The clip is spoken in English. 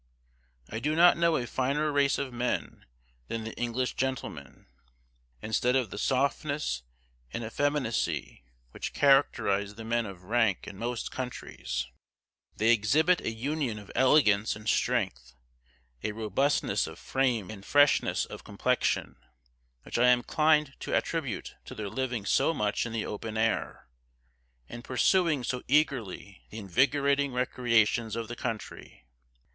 I do not know a finer race of men than the English gentlemen. Instead of the softness and effeminacy which characterize the men of rank in most countries, they exhibit a union of elegance and strength, a robustness of frame and freshness of complexion, which I am inclined to attribute to their living so much in the open air, and pursuing so eagerly the invigorating recreations of the country.